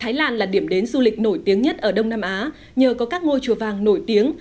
thái lan là điểm đến du lịch nổi tiếng nhất ở đông nam á nhờ có các ngôi chùa vàng nổi tiếng